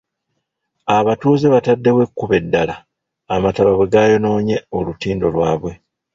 Abatuuze bataddewo ekkubo eddala amataba bwe gayonoonye olutindo lwaabwe.